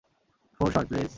Four shot, please.